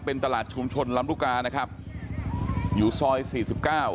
เป็นตลาดชุมชนลำลูกกานะครับอยู่ซอยสี่สิบเก้า